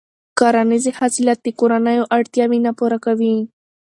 کرنیزې حاصلات د کورنیو اړتیاوې نه پوره کوي.